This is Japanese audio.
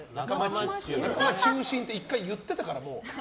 仲間中心って１回言ってたから、もう。